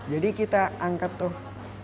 jadi kita angkat tuh